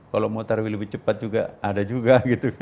kalau mau taruhi lebih cepat juga ada juga